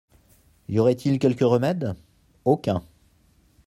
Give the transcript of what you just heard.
Y aurait-il quelque remède ? Aucun.